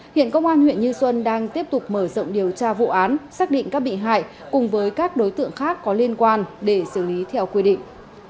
hiện công an huyện như xuân đang tiếp tục mở rộng điều tra vụ án xác định các bị hại cùng với các đối tượng khác có liên quan để xử lý theo quy định